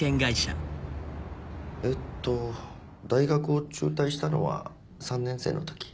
えっと大学を中退したのは３年生の時。